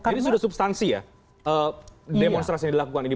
ini sudah substansi ya demonstrasi yang dilakukan ini